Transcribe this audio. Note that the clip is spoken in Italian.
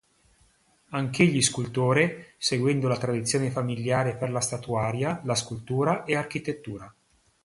Anch'egli scultore, seguendo la tradizione familiare per la statuaria, la scultura e architettura.